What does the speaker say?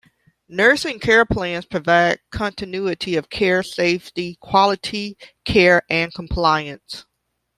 Nursing care plans provide continuity of care, safety, quality care and compliance.